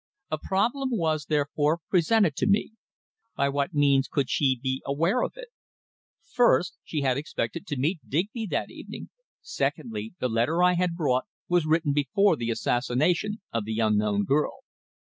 A problem was, therefore, presented to me. By what means could she be aware of it? First, she had expected to meet Digby that evening; secondly, the letter I had brought was written before the assassination of the unknown girl.